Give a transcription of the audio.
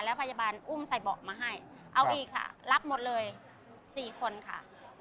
แล้วพยาบาลอุ้มใส่เบาะมาให้เอาอีกค่ะรับหมดเลย๔คนค่ะ